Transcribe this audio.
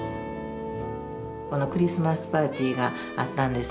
クリスマスパーティーがあったんですね。